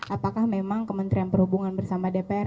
apakah memang kementerian perhubungan bersama dpr